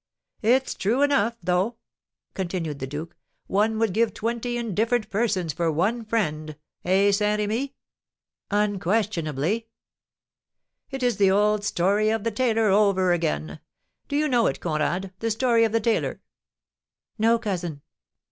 "It's true enough, though," continued the duke; "one would give twenty indifferent persons for one friend; eh, Saint Remy?" "Unquestionably." "It is the old story of the tailor over again. Do you know it, Conrad, the story of the tailor?" "No, cousin."